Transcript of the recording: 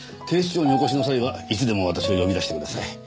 警視庁にお越しの際はいつでも私を呼び出してください。